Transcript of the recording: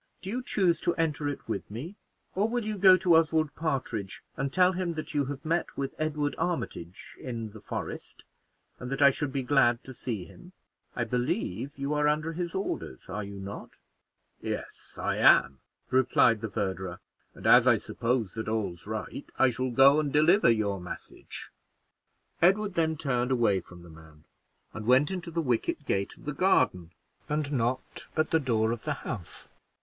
Do you choose to enter it with me, or will you go to Oswald Partridge and tell him that you have met with Edward Armitage in the forest, and that I should be glad to see him? I believe you are under his orders, are you not?" "Yes I am," replied the verderer, "and as I suppose that all's right, I shall go and deliver your message." Edward then turned away from the man, and went into the wicket gate of the garden, and knocked at the door of the House.